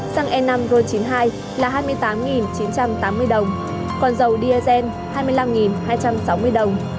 xăng e năm ro chín mươi hai là hai mươi tám chín trăm tám mươi đồng còn dầu diesel hai mươi năm hai trăm sáu mươi đồng